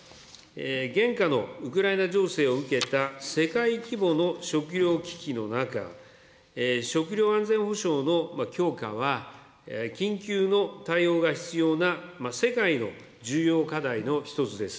現下のウクライナ情勢を受けた世界規模の食料危機の中、食料安全保障の強化は緊急の対応が必要な世界の重要課題の１つです。